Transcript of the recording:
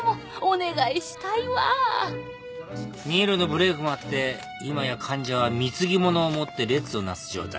新琉のブレークもあって今や患者は貢ぎ物を持って列をなす状態。